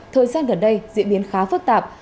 thời gian gần đây diễn biến khá phức tạp